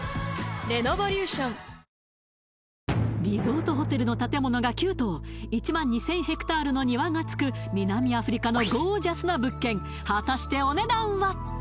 リゾートホテルの建物が９棟１万２０００ヘクタールの庭が付く南アフリカのゴージャスな物件果たしてお値段は？